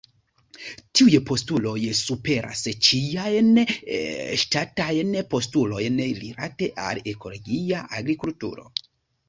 Tiuj postuloj superas ĉiajn ŝtatajn postulojn rilate al ekologia agrikulturo.